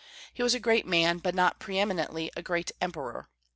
He was a great man, but not pre eminently a great emperor.